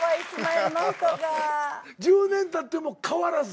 １０年たっても変わらず？